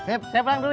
saya pulang dulu ya